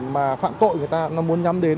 mà phạm tội người ta nó muốn nhắm đến